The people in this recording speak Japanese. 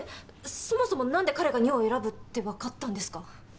そもそも何で彼が２を選ぶってわかったんですか？